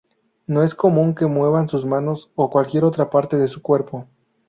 No es común que muevan sus manos o cualquier otra parte de su cuerpo.